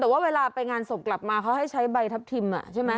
ว่าเวลาไปงานศพกลับมาให้ใช้ใบทับทิม